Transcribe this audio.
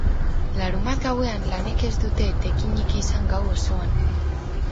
Larunbat gauean, lanek ez dute etenik izan gau osoan.